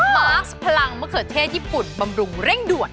มาร์คพลังมะเขือเทศญี่ปุ่นบำรุงเร่งด่วน